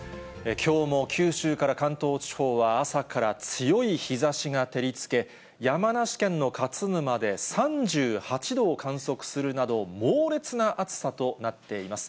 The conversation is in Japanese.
きょうも九州から関東地方は朝から強い日ざしが照りつけ、山梨県の勝沼で３８度を観測するなど、猛烈な暑さとなっています。